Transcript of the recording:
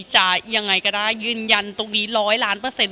จะยังไงก็ได้ยืนยันตรงนี้ร้อยล้านเปอร์เซ็น